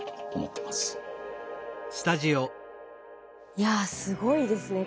いやすごいですね